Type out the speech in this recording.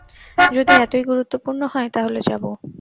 যদি এতোই গুরুত্বপূর্ণ হয়, তাহলে যাবো।